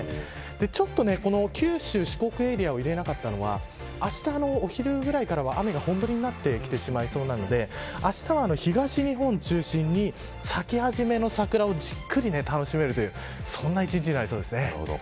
ちょっと九州、四国エリアを入れなかったのはあしたお昼ぐらいから雨が本降りになってきてしまいそうなのであしたは東日本中心に咲き始めの桜をじっくり楽しめるというそんな１日になりそうです。